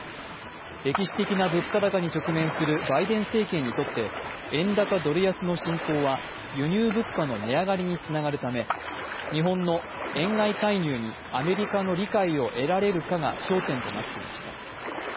歴史的な物価高に直面するバイデン政権にとって円高ドル安の進行は輸入物価の値上がりにつながるため日本の円買い介入にアメリカの理解を得られるかが焦点となっていました。